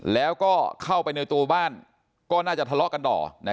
แล้วก็เข้าไปในตัวบ้านก็น่าจะทะเลาะกันต่อ